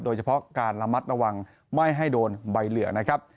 โดยเฉพาะการระมัดระวังไม่ให้โดนใบเหลือนะครับ